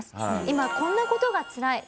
今こんな事がつらい。